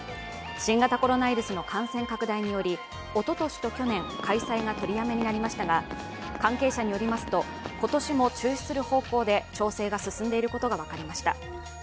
新型コロナウイルスの感染拡大により、おととしと去年、開催が取りやめになりましたが、関係者によりますと、今年も中止する方向で調整が進んでいることが分かりました。